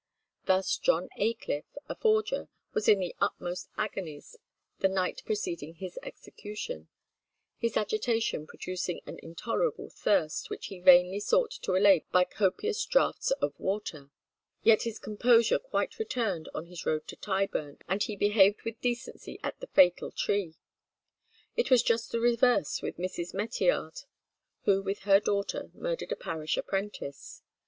Thus John Ayliffe, a forger, was in the utmost agonies the night preceding his execution; his agitation producing an intolerable thirst, which he vainly sought to allay by copious draughts of water. Yet his composure quite returned on his road to Tyburn, and he "behaved with decency at the fatal tree." It was just the reverse with Mrs. Meteyard, who with her daughter murdered a parish apprentice.